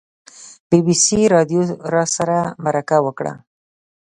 بي بي سي راډیو راسره مرکه وکړه.